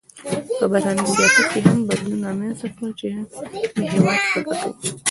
په بهرني سیاست کې هم بدلون رامنځته کړ چې د هېواد په ګټه و.